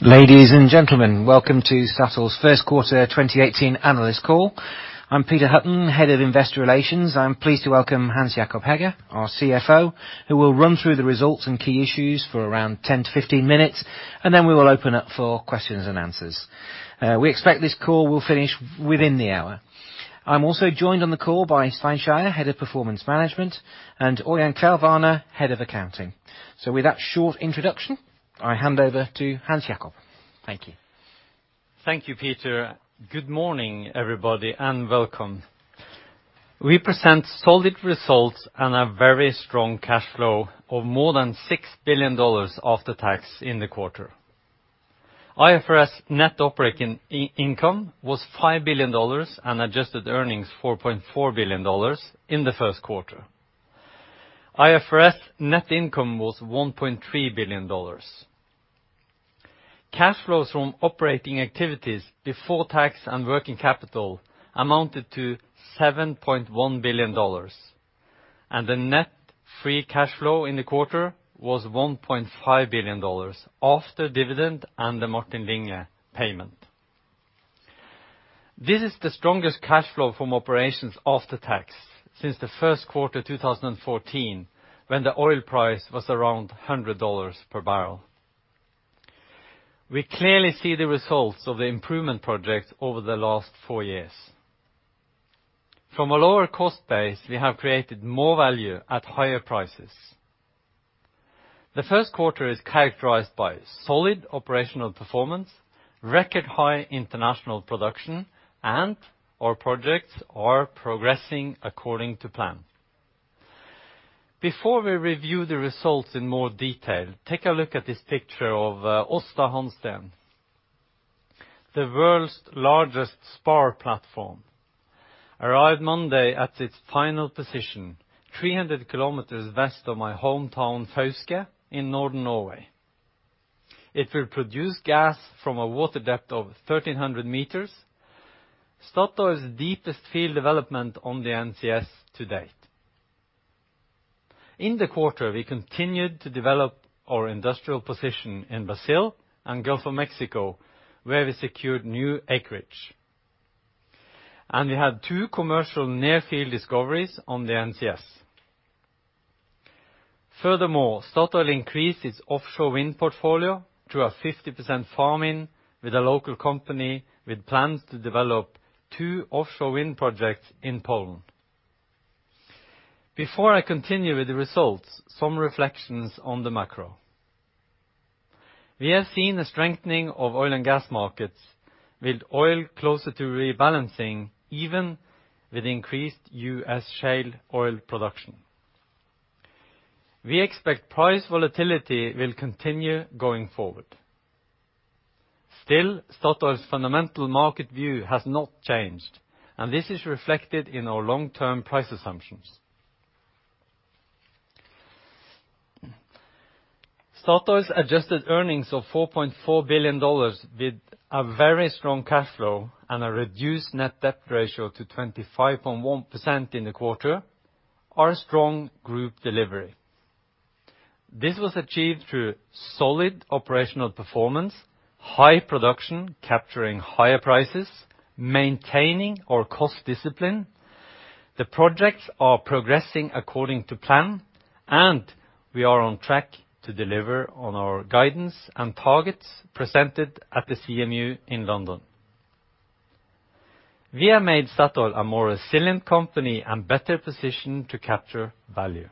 Ladies and gentlemen, welcome to Statoil's first quarter 2018 analyst call. I'm Peter Hutton, Head of Investor Relations. I'm pleased to welcome Hans Jakob Hegge, our CFO, who will run through the results and key issues for around 10 to 15 minutes, then we will open up for questions and answers. We expect this call will finish within the hour. I'm also joined on the call by Svein Skeie, Head of Performance Management, and Ørjan Kvelvane, Head of Accounting. With that short introduction, I hand over to Hans Jakob. Thank you. Thank you, Peter. Good morning, everybody, and welcome. We present solid results and a very strong cash flow of more than $6 billion after tax in the quarter. IFRS net operating income was $5 billion and adjusted earnings $4.4 billion in the first quarter. IFRS net income was $1.3 billion. Cash flows from operating activities before tax and working capital amounted to $7.1 billion. The net free cash flow in the quarter was $1.5 billion after dividend and the Martin Linge payment. This is the strongest cash flow from operations after tax since the first quarter 2014, when the oil price was around $100 per barrel. We clearly see the results of the improvement projects over the last four years. From a lower cost base, we have created more value at higher prices. The first quarter is characterized by solid operational performance, record high international production, and our projects are progressing according to plan. Before we review the results in more detail, take a look at this picture of Aasta Hansteen, the world's largest spar platform. Arrived Monday at its final position, 300 kilometers west of my hometown, Fauske, in northern Norway. It will produce gas from a water depth of 1,300 meters, Statoil's deepest field development on the NCS to date. In the quarter, we continued to develop our industrial position in Brazil and Gulf of Mexico, where we secured new acreage. We had two commercial near-field discoveries on the NCS. Furthermore, Statoil increased its offshore wind portfolio through a 50% farm-in with a local company with plans to develop two offshore wind projects in Poland. Before I continue with the results, some reflections on the macro. We have seen a strengthening of oil and gas markets, with oil closer to rebalancing even with increased U.S. shale oil production. We expect price volatility will continue going forward. Still, Statoil's fundamental market view has not changed, and this is reflected in our long-term price assumptions. Statoil's adjusted earnings of $4.4 billion with a very strong cash flow and a reduced net debt ratio to 25.1% in the quarter are a strong group delivery. This was achieved through solid operational performance, high production capturing higher prices, maintaining our cost discipline. The projects are progressing according to plan, and we are on track to deliver on our guidance and targets presented at the CMU in London. We have made Statoil a more resilient company and better positioned to capture value.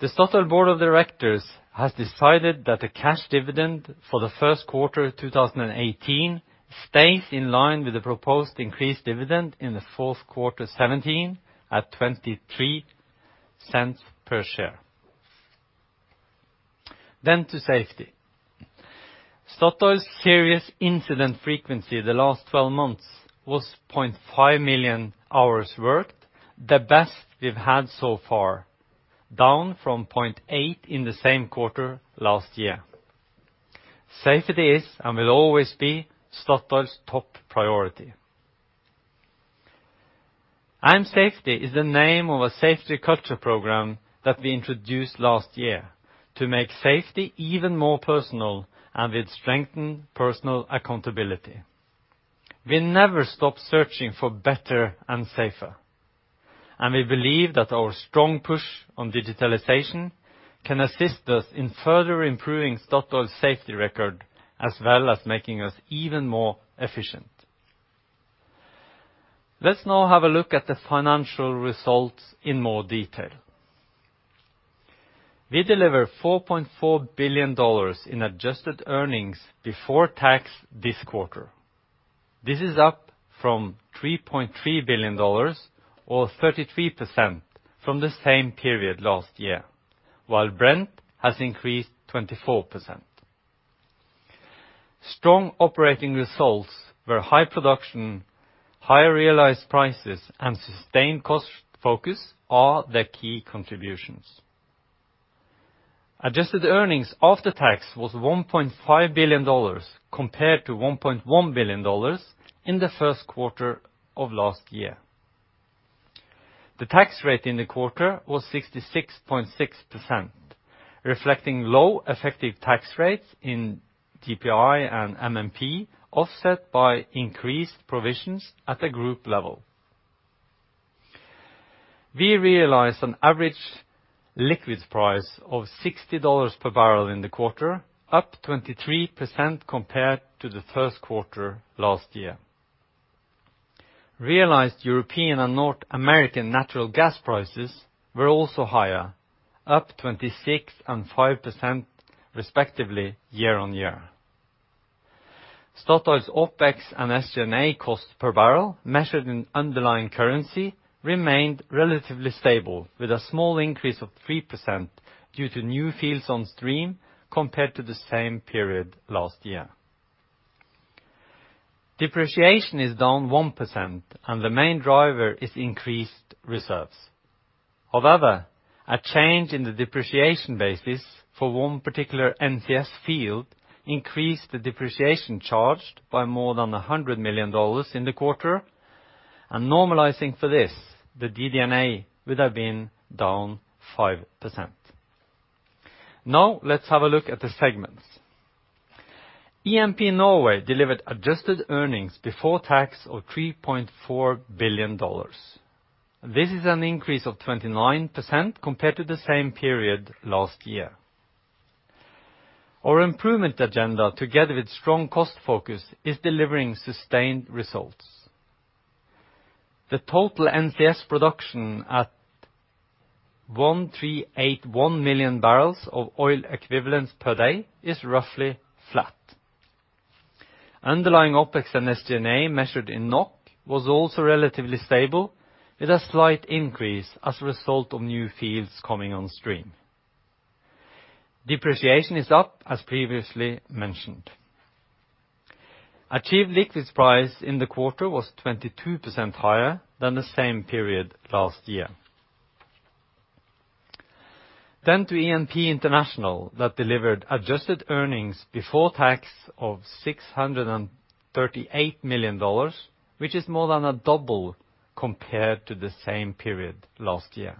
The Statoil Board of Directors has decided that the cash dividend for the first quarter 2018 stays in line with the proposed increased dividend in the fourth quarter 2017 at $0.23 per share. To safety. Statoil's serious incident frequency the last 12 months was 0.5 million hours worked, the best we've had so far, down from 0.8 in the same quarter last year. Safety is and will always be Statoil's top priority. I am safety is the name of a safety culture program that we introduced last year to make safety even more personal and with strengthened personal accountability. We never stop searching for better and safer. We believe that our strong push on digitalization can assist us in further improving Statoil's safety record, as well as making us even more efficient. Let's now have a look at the financial results in more detail. We deliver $4.4 billion in adjusted earnings before tax this quarter. This is up from $3.3 billion, or 33% from the same period last year, while Brent has increased 24%. Strong operating results were high production, higher realized prices, and sustained cost focus are the key contributions. Adjusted earnings after tax was $1.5 billion compared to $1.1 billion in the first quarter of last year. The tax rate in the quarter was 66.6%, reflecting low effective tax rates in EPI and MMP, offset by increased provisions at a group level. We realized an average liquids price of $60 per barrel in the quarter, up 23% compared to the first quarter last year. Realized European and North American natural gas prices were also higher, up 26% and 5% respectively year-on-year. Statoil's OpEx and SG&A cost per barrel, measured in underlying currency, remained relatively stable with a small increase of 3% due to new fields on stream compared to the same period last year. Depreciation is down 1%, and the main driver is increased reserves. However, a change in the depreciation basis for one particular NCS field increased the depreciation charged by more than $100 million in the quarter, and normalizing for this, the DD&A would have been down 5%. Let's have a look at the segments. E&P Norway delivered adjusted earnings before tax of $3.4 billion. This is an increase of 29% compared to the same period last year. Our improvement agenda, together with strong cost focus, is delivering sustained results. The total NCS production at 138.1 million barrels of oil equivalents per day is roughly flat. Underlying OpEx and SG&A measured in NOK was also relatively stable, with a slight increase as a result of new fields coming on stream. Depreciation is up as previously mentioned. Achieved liquids price in the quarter was 22% higher than the same period last year. To E&P International, that delivered adjusted earnings before tax of $638 million, which is more than a double compared to the same period last year.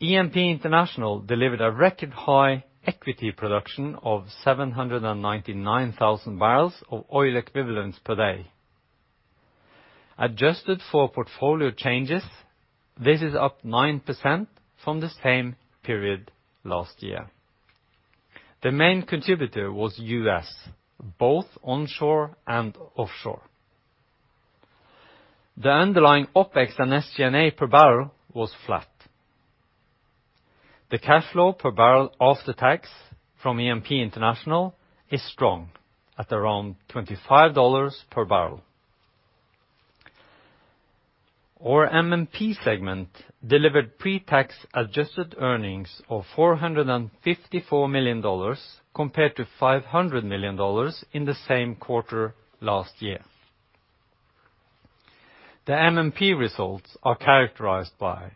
E&P International delivered a record-high equity production of 799,000 barrels of oil equivalents per day. Adjusted for portfolio changes, this is up 9% from the same period last year. The main contributor was U.S., both onshore and offshore. The underlying OpEx and SG&A per barrel was flat. The cash flow per barrel after tax from E&P International is strong, at around $25 per barrel. Our MMP segment delivered pre-tax adjusted earnings of $454 million compared to $500 million in the same quarter last year. The MMP results are characterized by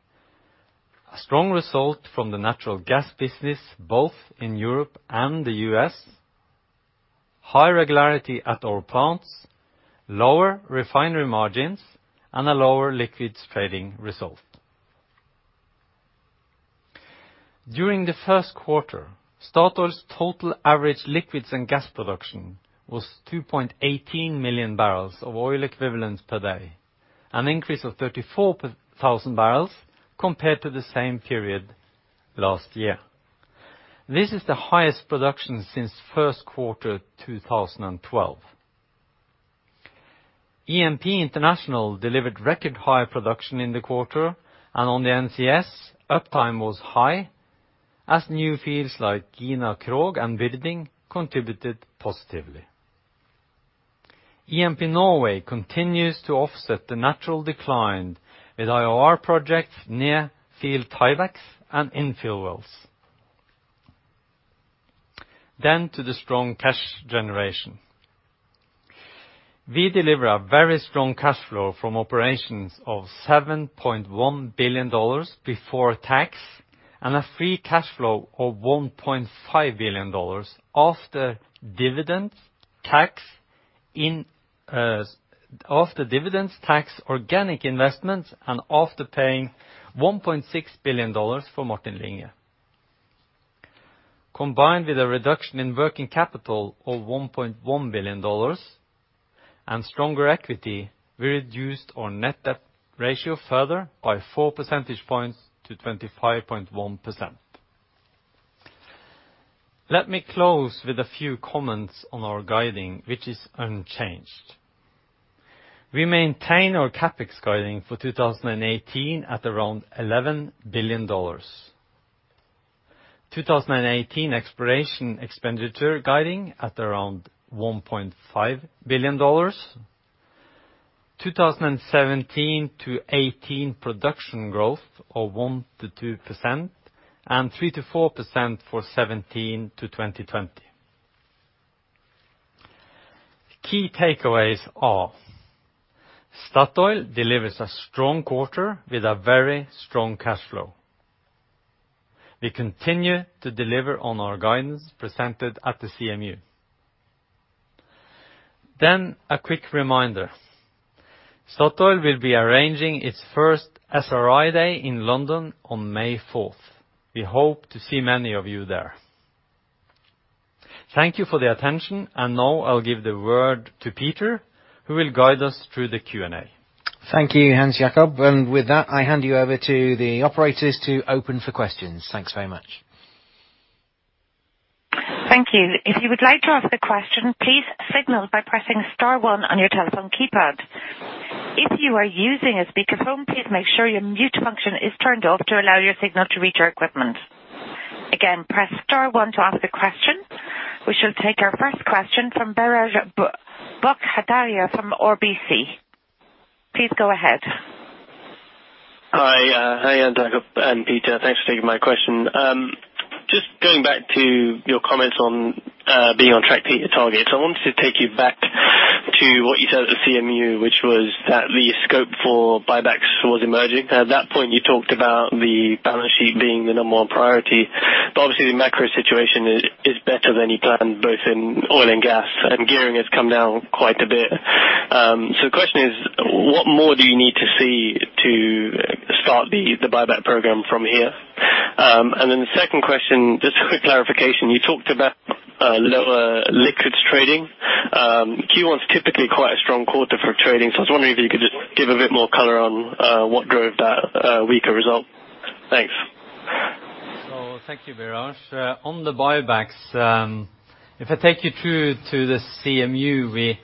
a strong result from the natural gas business, both in Europe and the U.S., high regularity at our plants, lower refinery margins, and a lower liquids trading result. During the first quarter, Equinor's total average liquids and gas production was 2.18 million barrels of oil equivalents per day, an increase of 34,000 barrels compared to the same period last year. This is the highest production since first quarter 2012. E&P International delivered record-high production in the quarter. On the NCS, uptime was high as new fields like Gina Krog and Wisting contributed positively. E&P Norway continues to offset the natural decline with IOR projects near field tiebacks and infill wells. To the strong cash generation. We deliver a very strong cash flow from operations of $7.1 billion before tax and a free cash flow of $1.5 billion after dividends, tax, organic investments, and after paying $1.6 billion for Martin Linge. Combined with a reduction in working capital of $1.1 billion and stronger equity, we reduced our net debt ratio further by four percentage points to 25.1%. Let me close with a few comments on our guiding, which is unchanged. We maintain our CapEx guiding for 2018 at around $11 billion. 2018 exploration expenditure guiding at around $1.5 billion. 2017 to 2018 production growth of 1%-2% and 3%-4% for 2017 to 2020. Key takeaways are: Equinor delivers a strong quarter with a very strong cash flow. We continue to deliver on our guidance presented at the CMU. A quick reminder. Equinor will be arranging its first SRI day in London on May 4th. We hope to see many of you there. Thank you for the attention. Now I'll give the word to Peter, who will guide us through the Q&A. Thank you, Hans Jakob. With that, I hand you over to the operators to open for questions. Thanks very much. Thank you. If you would like to ask a question, please signal by pressing star one on your telephone keypad. If you are using a speakerphone, please make sure your mute function is turned off to allow your signal to reach our equipment. Again, press star one to ask a question. We shall take our first question from Biraj Borkhataria from RBC. Please go ahead. Hi, Hans Jakob and Peter. Thanks for taking my question. Just going back to your comments on being on track to hit your target. I wanted to take you back to what you said at the CMU, which was that the scope for buybacks was emerging. At that point, you talked about the balance sheet being the number 1 priority. Obviously the macro situation is better than you planned, both in oil and gas, and gearing has come down quite a bit. The question is, what more do you need to see to start the buyback program from here? The second question, just a quick clarification. You talked about lower liquids trading. Q1 is typically quite a strong quarter for trading. I was wondering if you could just give a bit more color on what drove that weaker result. Thanks. Thank you, Biraj. On the buybacks, if I take you through to the CMU,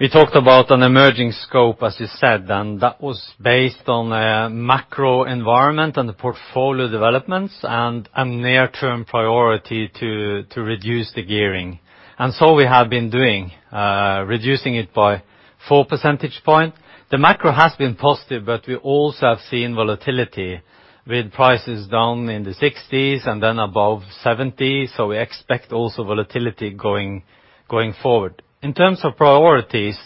we talked about an emerging scope, as you said, and that was based on a macro environment and the portfolio developments, and a near-term priority to reduce the gearing. We have been doing, reducing it by 4 percentage points. The macro has been positive, but we also have seen volatility with prices down in the 60s and then above 70. We expect also volatility going forward. In terms of priorities,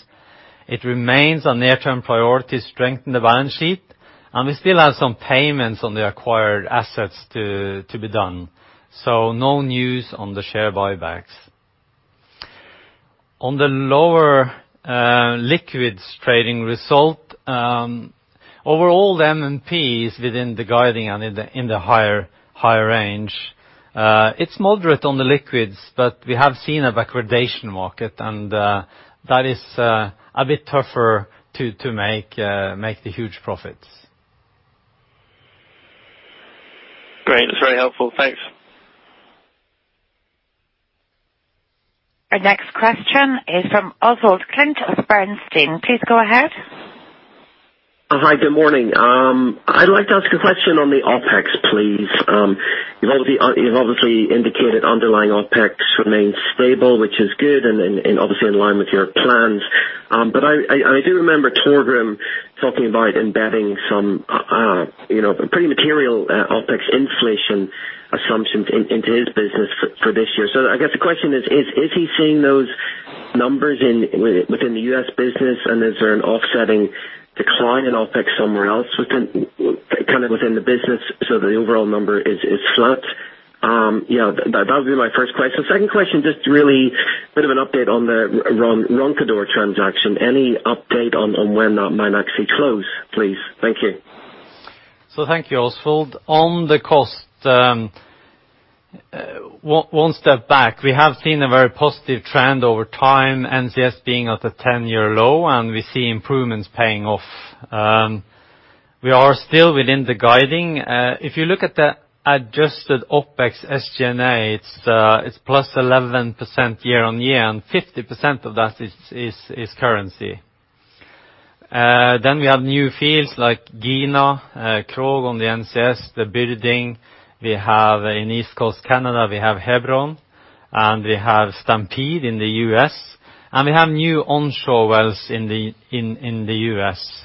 it remains a near-term priority to strengthen the balance sheet. We still have some payments on the acquired assets to be done. No news on the share buybacks. On the lower liquids trading result, overall the M&Ps within the guiding and in the higher range. It's moderate on the liquids, We have seen a backwardation market, and that is a bit tougher to make the huge profits. Great. That's very helpful. Thanks. Our next question is from Oswald Clint of Bernstein. Please go ahead. Hi. Good morning. I'd like to ask a question on the OpEx, please. You've obviously indicated underlying OpEx remains stable, which is good and obviously in line with your plans. I do remember Torgrim talking about embedding some pretty material OpEx inflation assumptions into his business for this year. I guess the question is he seeing those numbers within the U.S. business, and is there an offsetting decline in OpEx somewhere else within the business so that the overall number is flat? That would be my first question. Second question, just really a bit of an update on the Roncador transaction. Any update on when that might actually close, please? Thank you. Thank you, Oswald. On the cost, one step back, we have seen a very positive trend over time, NCS being at a 10-year low, and we see improvements paying off. We are still within the guiding. If you look at the adjusted OpEx SG&A, it's plus 11% year on year, and 50% of that is currency. Then we have new fields like Gina Krog on the NCS, the Byrding. In East Coast Canada, we have Hebron, and we have Stampede in the U.S., and we have new onshore wells in the U.S.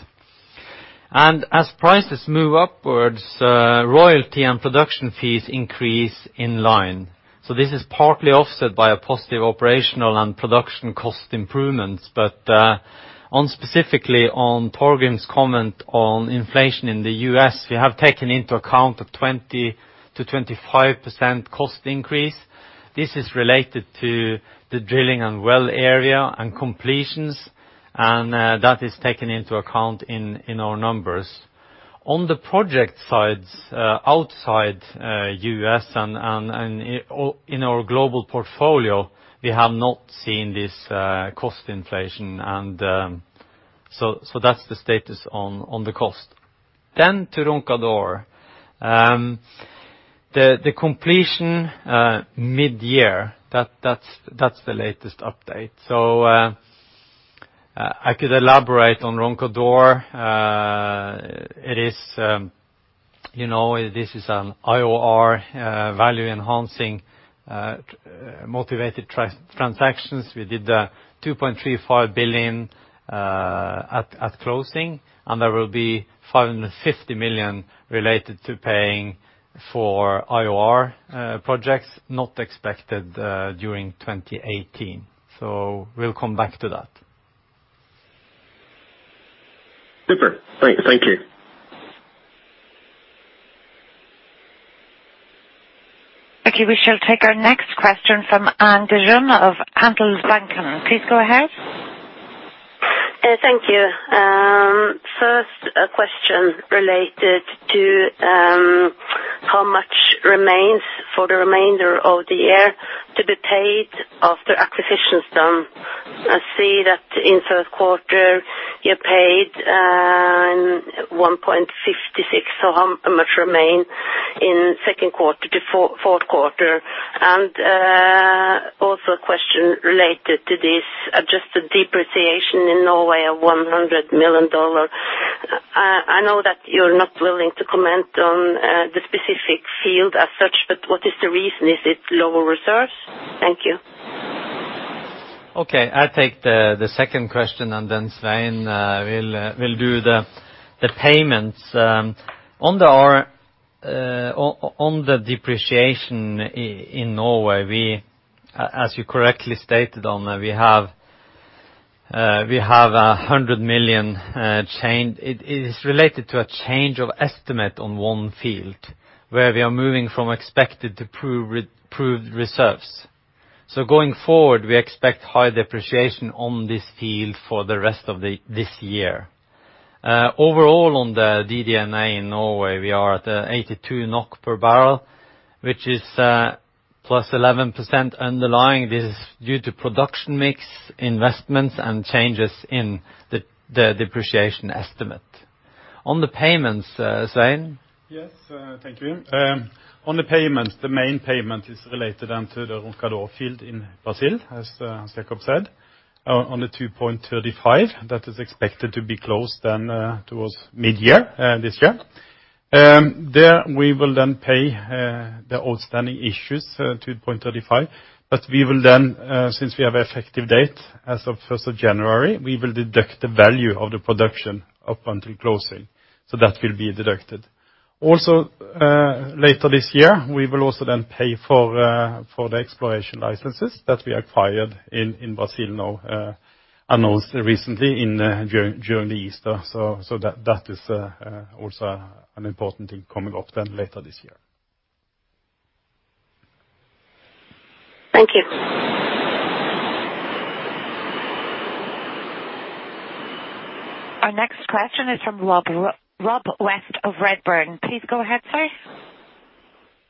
As prices move upwards, royalty and production fees increase in line. This is partly offset by a positive operational and production cost improvements. Specifically on Torgrim's comment on inflation in the U.S., we have taken into account a 20%-25% cost increase. This is related to the drilling on well area and completions, and that is taken into account in our numbers. On the project sides, outside U.S. and in our global portfolio, we have not seen this cost inflation. That's the status on the cost. To Roncador. The completion mid-year, that's the latest update. I could elaborate on Roncador. This is an IOR value-enhancing motivated transactions. We did 2.35 billion at closing, and there will be 550 million related to paying for IOR projects not expected during 2018. We'll come back to that. Super. Great. Thank you. We shall take our next question from Anne Desrum of Handelsbanken. Please go ahead. Thank you. A question related to how much remains for the remainder of the year to be paid after acquisition is done. I see that in the first quarter, you paid 1.56. How much remains in the second quarter to fourth quarter? A question related to this, just the depreciation in Norway of $100 million. I know that you're not willing to comment on the specific field as such, what is the reason? Is it lower reserves? Okay. I'll take the second question, and then Svein will do the payments. On the depreciation in Norway, as you correctly stated, Anne, we have 100 million. It is related to a change of estimate on one field, where we are moving from expected to proved reserves. Going forward, we expect high depreciation on this field for the rest of this year. Overall, on the DD&A in Norway, we are at 82 NOK per barrel, which is plus 11% underlying. This is due to production mix, investments, and changes in the depreciation estimate. On the payments, Svein? Yes. Thank you. On the payment, the main payment is related then to the Roncador field in Brazil, as Jakob said. On the 2.35, that is expected to be closed then towards mid-year this year. There, we will then pay the outstanding issues, 2.35. We will then, since we have effective date as of 1st of January, we will deduct the value of the production up until closing. That will be deducted. Also later this year, we will also then pay for the exploration licenses that we acquired in Brazil now, announced recently during Easter. That is also an important thing coming up then later this year. Thank you. Our next question is from Rob West of Redburn. Please go ahead, sir.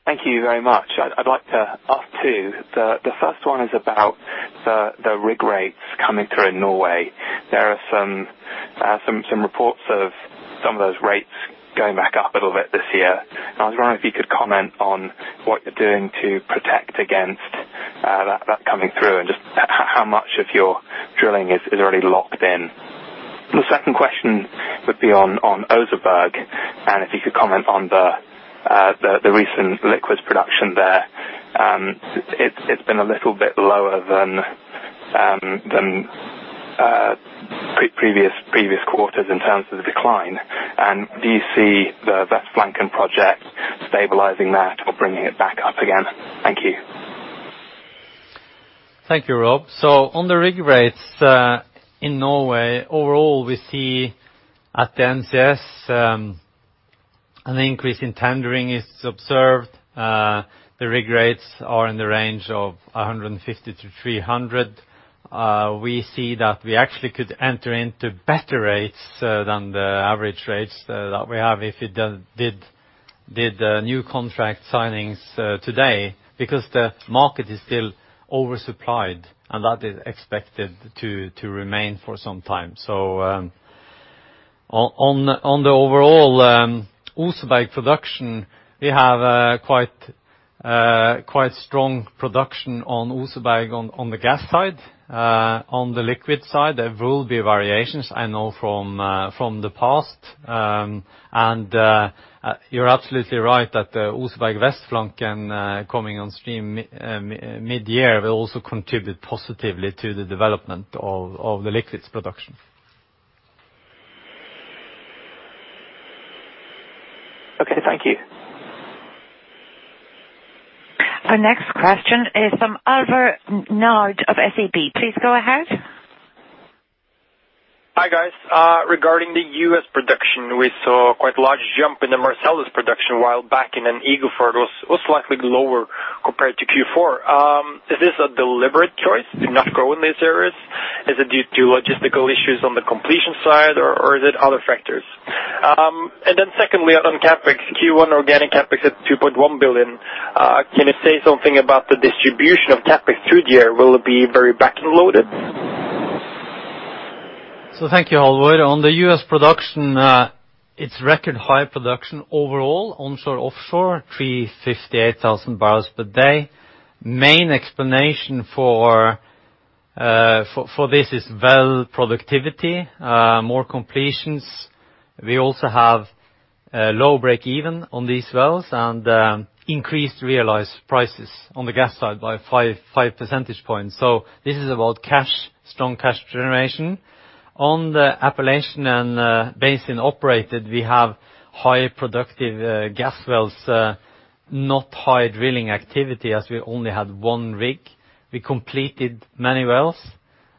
Thank you very much. I'd like to ask two. The first one is about the rig rates coming through in Norway. There are some reports of some of those rates going back up a little bit this year. I was wondering if you could comment on what you're doing to protect against that coming through, and just how much of your drilling is already locked in. The second question would be on Oseberg, and if you could comment on the recent liquids production there. It's been a little bit lower than previous quarters in terms of the decline. Do you see the Vestflanken project stabilizing that or bringing it back up again? Thank you. Thank you, Rob. On the rig rates in Norway, overall, we see at the NCS, an increase in tendering is observed. The rig rates are in the range of 150-300. We see that we actually could enter into better rates than the average rates that we have if we did the new contract signings today, because the market is still oversupplied, and that is expected to remain for some time. On the overall Oseberg production, we have quite strong production on Oseberg on the gas side. On the liquid side, there will be variations, I know from the past. You're absolutely right that the Oseberg Vestflanken coming on stream mid-year will also contribute positively to the development of the liquids production. Okay, thank you. Our next question is from Halvor Nordlie of SEB. Please go ahead. Hi, guys. Regarding the U.S. production, we saw quite a large jump in the Marcellus production, while Bakken in Eagle Ford was slightly lower compared to Q4. Is this a deliberate choice to not grow in these areas? Is it due to logistical issues on the completion side, or is it other factors? Secondly, on CapEx, Q1 organic CapEx at 2.1 billion. Can you say something about the distribution of CapEx through the year? Will it be very back-loaded? Thank you, Halvor. On the U.S. production, it's record-high production overall, onshore, offshore, 358,000 barrels per day. Main explanation for this is well productivity, more completions. We also have low break-even on these wells and increased realized prices on the gas side by five percentage points. This is about strong cash generation. On the Appalachian basin operated, we have high productive gas wells, not high drilling activity as we only had one rig. We completed many wells.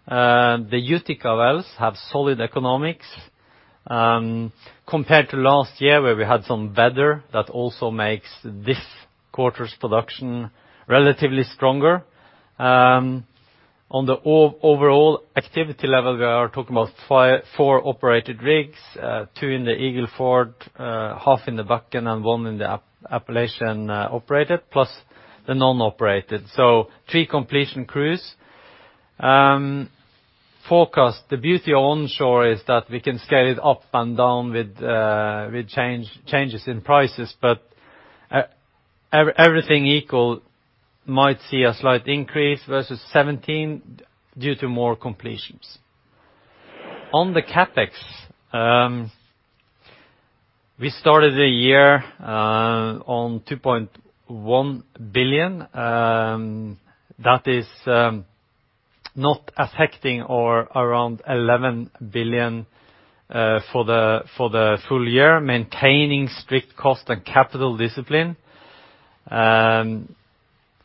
The Utica wells have solid economics. Compared to last year where we had some weather, that also makes this quarter's production relatively stronger. On the overall activity level, we are talking about four operated rigs, two in the Eagle Ford, half in the Bakken, and one in the Appalachian operated, plus the non-operated. Three completion crews. Forecast, the beauty of onshore is that we can scale it up and down with changes in prices. Everything equal might see a slight increase versus 2017 due to more completions. On the CapEx, we started the year on 2.1 billion. That is not affecting our around 11 billion for the full year, maintaining strict cost and capital discipline.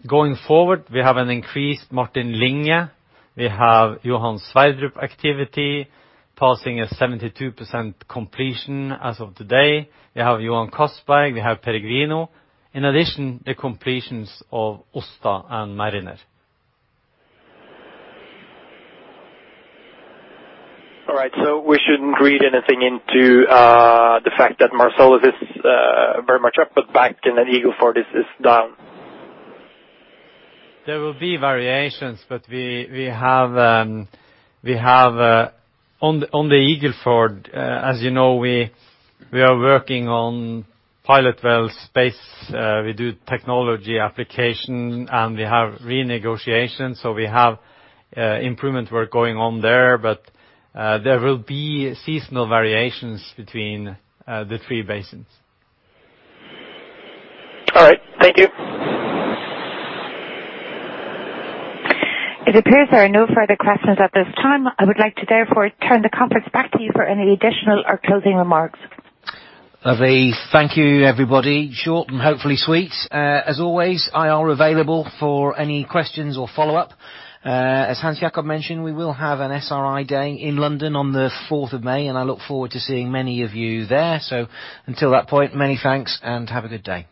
Going forward, we have an increased Martin Linge. We have Johan Sverdrup activity passing at 72% completion as of today. We have Johan Castberg, we have Peregrino. In addition, the completions of Aasta and Mariner. All right. We shouldn't read anything into the fact that Marcellus is very much up, but Bakken and Eagle Ford is down. There will be variations, but on the Eagle Ford, as you know, we are working on pilot well spacing. We do technology application and we have renegotiation, so we have improvement work going on there. There will be seasonal variations between the three basins. All right. Thank you. It appears there are no further questions at this time. I would like to therefore turn the conference back to you for any additional or closing remarks. Lovely. Thank you, everybody. Short and hopefully sweet. As always, I am available for any questions or follow-up. As Hans Jakob mentioned, we will have an SRI day in London on the 4th of May, and I look forward to seeing many of you there. Until that point, many thanks and have a good day.